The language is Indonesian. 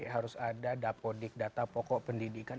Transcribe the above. harus ada dapodik data pokok pendidikan